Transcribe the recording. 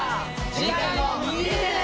次回も見てね！